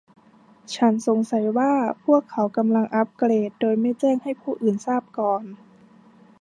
ฉันสงสัยว่าพวกเขากำลังอัปเกรดโดยไม่แจ้งให้ผู้อื่นทราบก่อน